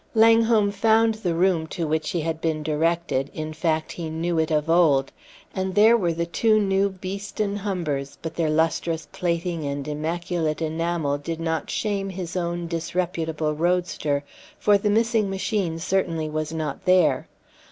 Langholm found the room to which he had been directed; in fact, he knew it of old. And there were the two new Beeston Humbers; but their lustrous plating and immaculate enamel did not shame his own old disreputable roadster, for the missing machine certainly was not there.